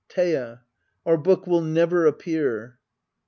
Thea — our book will never appear.